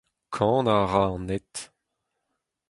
kanañ a ra an ed